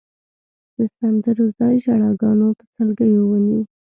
د سندرو ځای ژړاګانو او سلګیو ونیو.